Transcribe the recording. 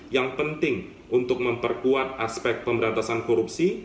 yang penting untuk memperkuat aspek pemberantasan korupsi